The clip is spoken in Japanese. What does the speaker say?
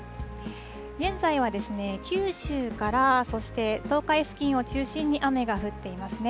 現在は九州から、そして東海付近を中心に雨が降っていますね。